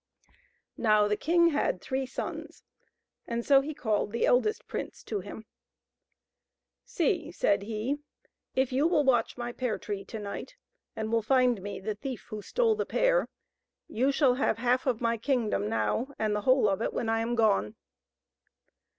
Now, the king had three sons, and so he called the eldest prince to him. " See," said he, " if you will watch my pear tree to night, and will find me the thief who stole the pear, you shall have half of my kingdom now, and the whole of it when I am gone."